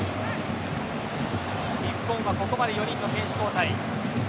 日本はここまで４人の選手交代。